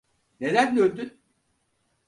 Neden döndün?